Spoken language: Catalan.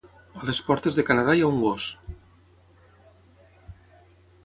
A les portes de Canadà hi ha un gos.